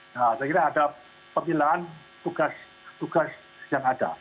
nah saya kira ada pemilahan tugas tugas yang ada